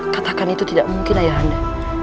katakan itu tidak mungkin ayah anda